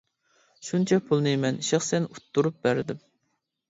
شۇنچە پۇلنى مەن شەخسەن ئۇتتۇرۇپ بەردىم.